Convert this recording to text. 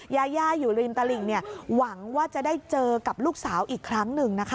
ยาย่าอยู่ริมตลิ่งหวังว่าจะได้เจอกับลูกสาวอีกครั้งหนึ่งนะคะ